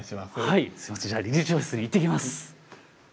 はいすいませんじゃあ理事長室に行ってきます。